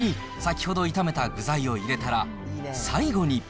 ここに先ほど炒めた具材を入れたら、最後に。